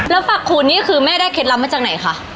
แล้วฝากคูณนี่คือแม่ได้เคล็ดลับมาจากไหนคะ